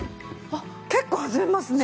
結構弾みますね。